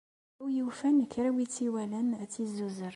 A wi yufan kra n win i tt-iwalan ad tt-yezzuzer.